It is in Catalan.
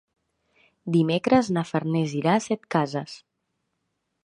Dimecres na Farners irà a Setcases.